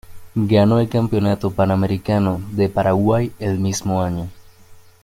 Ganó el Campeonato Panamericano de Paraguay en el mismo año.